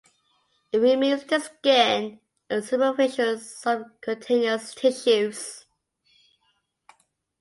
It removes the skin and superficial subcutaneous tissues.